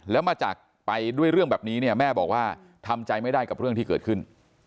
แล้วมาจากไปด้วยเรื่องแบบนี้เนี่ยแม่บอกว่าทำใจไม่ได้กับเรื่องที่เกิดขึ้น